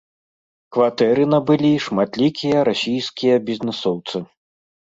Кватэры набылі шматлікія расійскія бізнэсоўцы.